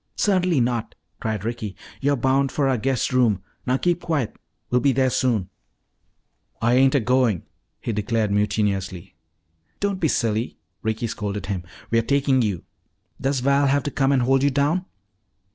"Certainly not!" cried Ricky. "You're bound for our guest room. Now keep quiet. We'll be there soon." "Ah ain't a goin'," he declared mutinously. "Don't be silly," Ricky scolded him; "we're taking you. Does Val have to come and hold you down?"